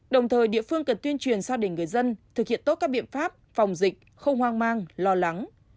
đồng thời địa phương cần tuyên truyền gia đình người dân thực hiện tốt các biện pháp phòng dịch không hoang mang lo lắng